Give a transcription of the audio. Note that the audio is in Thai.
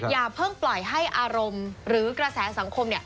อย่าเพิ่งปล่อยให้อารมณ์หรือกระแสสังคม